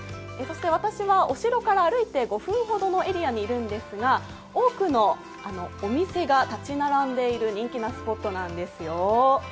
私はお城から歩いて５分ほどのエリアにいるんですが多くのお店が立ち並んでいる人気のスポットなんですよ。